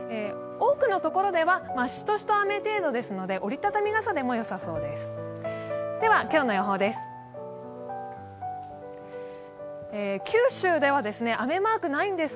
多くの所では、しとしと雨程度ですので、折り畳み傘でもよさそうです。